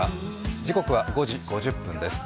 時刻は５時５０分です。